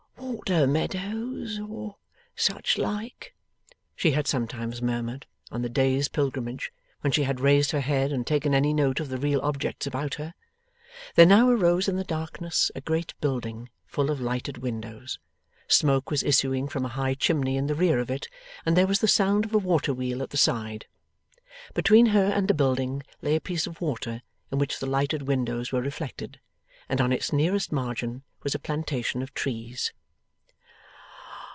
'Water meadows, or such like,' she had sometimes murmured, on the day's pilgrimage, when she had raised her head and taken any note of the real objects about her. There now arose in the darkness, a great building, full of lighted windows. Smoke was issuing from a high chimney in the rear of it, and there was the sound of a water wheel at the side. Between her and the building, lay a piece of water, in which the lighted windows were reflected, and on its nearest margin was a plantation of trees.